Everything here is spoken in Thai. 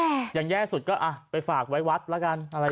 เออแย่สุดก็ไปฝากไว้วัดแล้วกัน